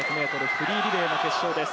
フリーリレーの決勝です。